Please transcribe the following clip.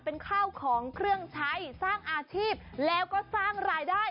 เป็นข้าวของเครื่องใช้สร้างอาชีพแล้วก็สร้างรายได้